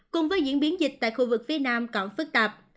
cùng với diễn biến dịch tại khu vực phía nam còn phức tạp